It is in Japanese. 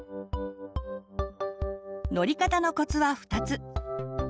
乗り方のコツは２つ。